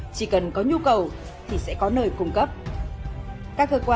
chỉ cần có nhu cầu